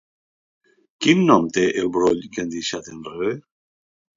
Quin nom té el broll que han deixat enrere?